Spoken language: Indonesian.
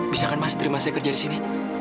bisa kan mas terima saya kerja di sini